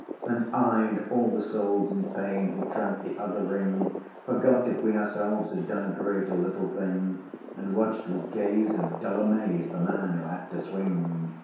And I and all the souls in pain, Who tramped the other ring, Forgot if we ourselves had done A great or little thing, And watched with gaze of dull amaze The man who had to swing.